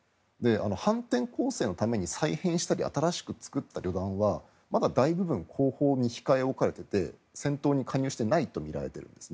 反転攻勢のために再編したり新しく作った旅団はまだ大部分は後方に控え置かれていて戦闘に加入してないとみられています。